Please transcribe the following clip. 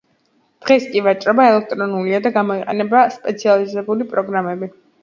დღეს კი ვაჭრობა ელექტრონულია და გამოიყენება სპეციალიზირებული პროგრამები.